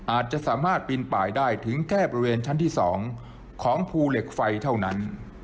อาจจะสามารถปีนป่ายได้ถึงแค่บริเวณชั้นที่๒ของภูเหล็กไฟเท่านั้น